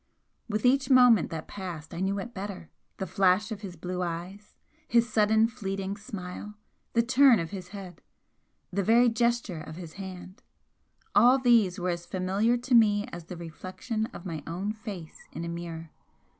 With each moment that passed I knew it better the flash of his blue eyes his sudden fleeting smile the turn of his head the very gesture of his hand, all these were as familiar to me as the reflection of my own face in a mirror.